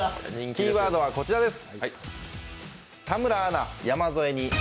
キーワードはこちらです。